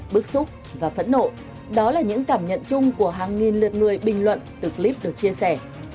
bức xúc và phẫn nộ đó là những cảm nhận chung của hàng nghìn lượt người bình luận từ clip được chia sẻ